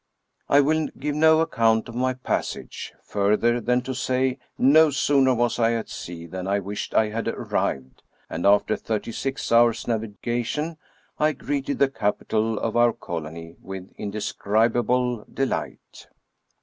I will give no account of my passage, further than to say no sooner was I at sea than I wished I had arrived, and, after thirty six hours' navigation, I greeted the capi tal of our colony with indescribable delight.